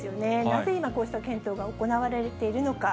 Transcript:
なぜ今、こうした検討が行われているのか。